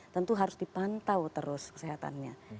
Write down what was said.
tentu harus dipantau terus kesehatannya